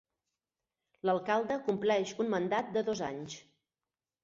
L'alcalde compleix un mandat de dos anys.